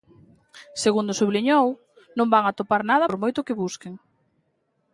Segundo subliñou, "non van atopar nada por moito que busquen".